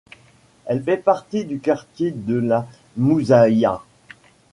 Elle fait partie du quartier de la Mouzaïa.